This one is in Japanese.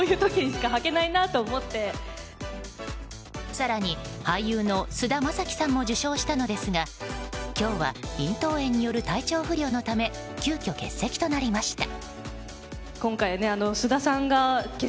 更に、俳優の菅田将暉さんも受賞したのですが今日は咽頭炎による体調不良のため欠席となりました。